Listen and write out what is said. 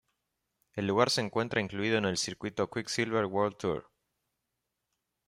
El lugar se encuentra incluido en el circuito Quicksilver World Tour.